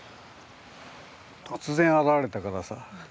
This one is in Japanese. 突然現れたからさ。